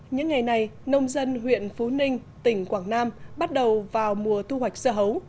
những ngày này nông dân huyện phú ninh tỉnh quảng nam bắt đầu vào mùa thu hoạch dưa hấu